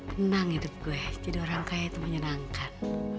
tenang hidup gue jadi orang kaya itu menyenangkan